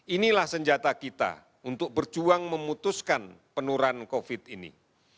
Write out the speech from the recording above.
inilah senjata kita untuk berjuang memutuskan penuran covid sembilan belas ini